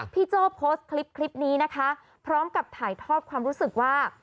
โจ้โพสต์คลิปนี้นะคะพร้อมกับถ่ายทอดความรู้สึกว่า